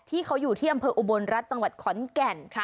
ที่เขาอยู่ที่อำเภออุบลรัฐจังหวัดขอนแก่นค่ะ